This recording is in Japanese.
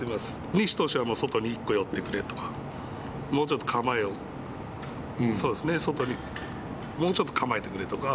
西投手は外に１個寄ってくれとかもうちょっと構えを外にもうちょっと構えてくれとか。